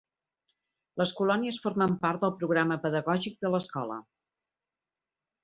Les colònies formen part del programa pedagògic de l'escola.